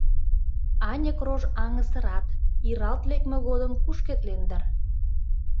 Аньык рож аҥысырат, иралт лекме годым кушкедлен дыр.